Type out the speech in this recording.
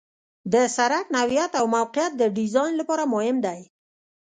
د سرک نوعیت او موقعیت د ډیزاین لپاره مهم دي